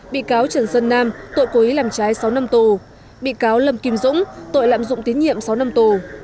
bị cáo trần sơn nam tội cố ý làm trái sáu năm tù bị cáo lâm kim dũng tội lạm dụng tín nhiệm sáu năm tù